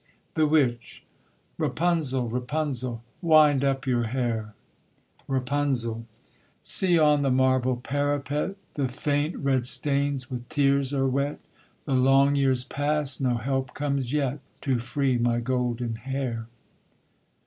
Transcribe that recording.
THE WITCH. Rapunzel, Rapunzel, Wind up your hair! RAPUNZEL. See on the marble parapet, The faint red stains with tears are wet; The long years pass, no help comes yet To free my golden hair.